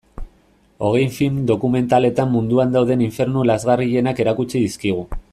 Hogei film dokumentaletan munduan dauden infernu lazgarrienak erakutsi dizkigu.